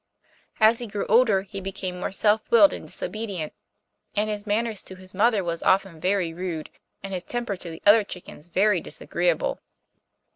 As he grew older he became more self willed and disobedient, and his manner to his mother was often very rude, and his temper to the other chickens very disagreeable.